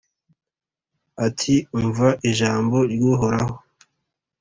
ati «Umva ijambo ry’Uhoraho,